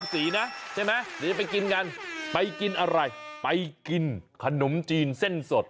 สีนะใช่ไหมเดี๋ยวจะไปกินกันไปกินอะไรไปกินขนมจีนเส้นสด